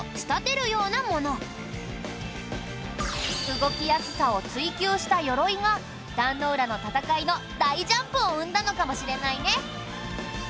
動きやすさを追求した鎧が壇ノ浦の戦いの大ジャンプを生んだのかもしれないね。